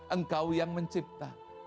engkau yang mencipta